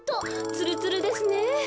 つるつるですね。